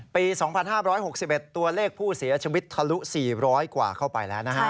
ปี๒๕๖๑ตัวเลขผู้เสียชีวิตทะลุ๔๐๐กว่าเข้าไปแล้วนะฮะ